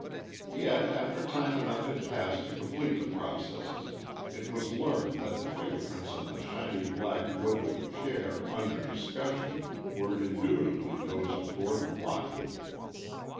Yet, after time enough had passed to complete the processes, it was learned that the finger prints on the shiny black wood of the chair under discussion were indubitably those of Gordon Lockwood.